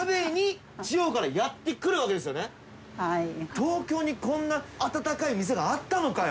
東京にこんな温かい店があったのかよ。